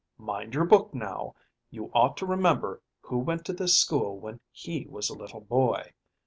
Mind your book, now; you ought to remember who went to this school when he was a little boy.